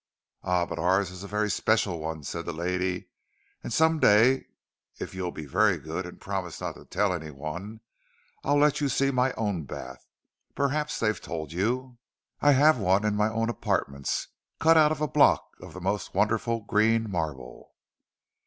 "Ah, but ours is a very special one," said the lady.—"And some day, if you'll be very good, and promise not to tell anyone, I'll let you see my own bath. Perhaps they've told you, I have one in my own apartments, cut out of a block of the most wonderful green marble."